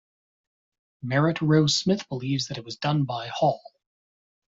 Merrit Roe Smith believes that it was done by Hall.